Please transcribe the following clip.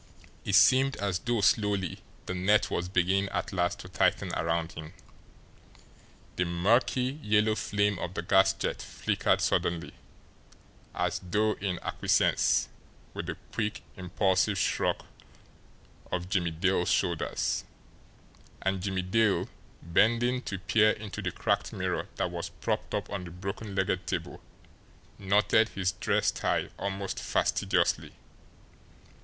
It seemed as though slowly the net was beginning at last to tighten around him. The murky, yellow flame of the gas jet flickered suddenly, as though in acquiescence with the quick, impulsive shrug of Jimmie Dale's shoulders and Jimmie Dale, bending to peer into the cracked mirror that was propped up on the broken legged table, knotted his dress tie almost fastidiously.